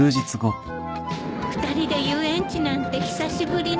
２人で遊園地なんて久しぶりね。